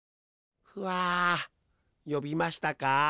ふあよびましたか？